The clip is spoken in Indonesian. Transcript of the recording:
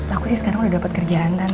aku sih sekarang udah dapet kerjaan tante